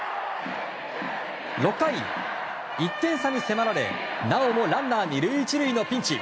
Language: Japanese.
６回、１点差に迫られ、なおもランナー２塁１塁のピンチ。